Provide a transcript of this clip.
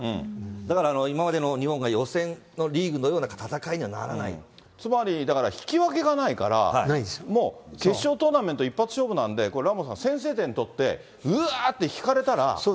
だから、今までの日本が予選のリつまりだから引き分けがないから、もう決勝トーナメント、一発勝負なんで、これ、ラモスさん、先制点取って、うわーって引かれたら。